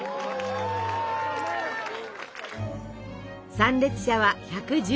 参列者は１１０人。